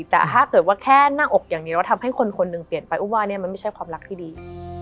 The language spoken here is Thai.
แต่ถ้าเกิดว่าแค่หน้าอกอย่างเดียวแล้วทำให้คนคนหนึ่งเปลี่ยนไปอุ้มว่าเนี่ยมันไม่ใช่ความรักที่ดี